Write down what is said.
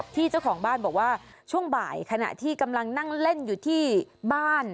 เจ้าของบ้านบอกว่าช่วงบ่ายขณะที่กำลังนั่งเล่นอยู่ที่บ้าน